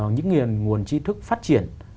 những nguồn chi thức phát triển